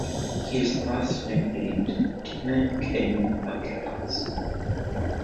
He is thus nicknamed "Demon King of Chaos".